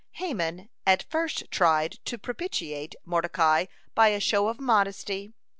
(102) Haman at first tried to propitiate Mordecai by a show of modesty.